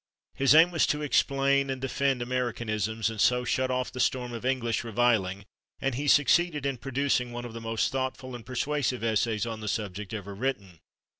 His aim was to explain and defend Americanisms, and so shut off the storm of English reviling, and he succeeded in producing one of the most thoughtful and persuasive essays on the subject ever written.